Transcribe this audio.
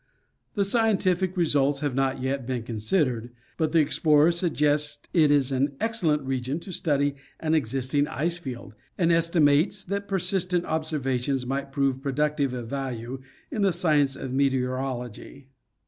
The scientific results have not yet been considered, but the explorer suggests it is an excellent region to study an existing ice field, and estimates that persistent observa tions might prove productive of value in the science of meteor ology.